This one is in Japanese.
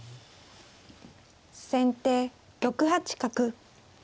先手６八角。